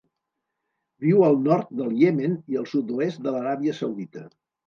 Viu al nord del Iemen i el sud-oest de l'Aràbia Saudita.